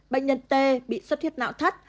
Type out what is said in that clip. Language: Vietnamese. bệnh nhân tê bị suốt huyệt não thắt